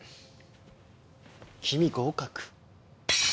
君合格。